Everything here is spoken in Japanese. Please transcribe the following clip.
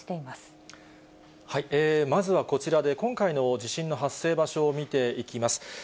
まずはこちらで今回の地震の発生場所を見ていきます。